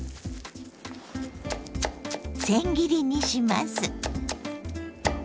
せん切りにします。